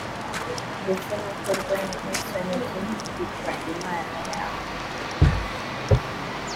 ndetse ntikorwa n’isoni zo kwitwa Imana yabo